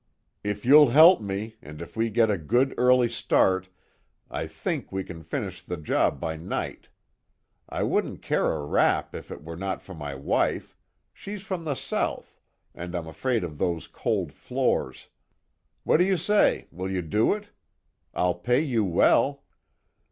If you'll help me, and if we get a good early start, I think we can finish the job by night. I wouldn't care a rap if it were not for my wife, she's from the South, and I'm afraid of those cold floors. What do you say, will you do it? I'll pay you well."